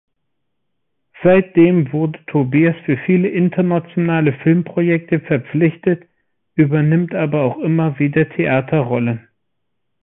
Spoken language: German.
Seitdem wurde Tobias für viele internationale Filmprojekte verpflichtet, übernimmt aber auch immer wieder Theaterrollen.